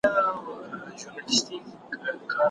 ایا تاسې کله نیالګی کرلی دی؟